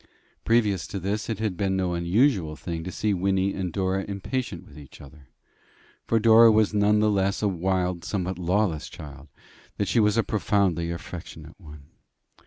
Previous to this, it had been no unusual thing to see Wynnie and Dora impatient with each other; for Dora was none the less a wild, somewhat lawless child, that she was a profoundly affectionate one.